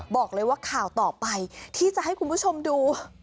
บอกเลยว่าข่าวต่อไปที่จะให้คุณผู้ชมดู